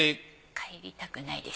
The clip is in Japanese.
帰りたくないです。